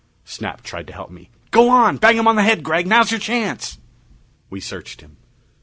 Snap tried to help me. "Go on! Bang him on the head, Gregg. Now's your chance!" We searched him.